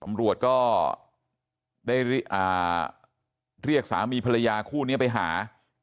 ตำรวจก็ได้เรียกสามีภรรยาคู่นี้ไปหา